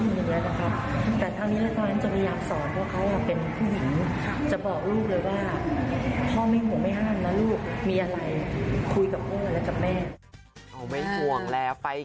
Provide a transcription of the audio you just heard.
เหมือนเอามาเจอเอามาอะไรอย่างนี้นะครับ